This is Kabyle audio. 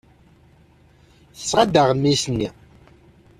Tesɣa-d aɣmis-nni.